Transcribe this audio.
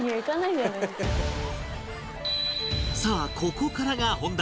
さあここからが本題